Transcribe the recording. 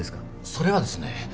それはですね